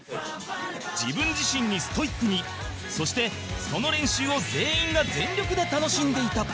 自分自身にストイックにそしてその練習を全員が全力で楽しんでいた